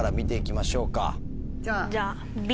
じゃあＢ。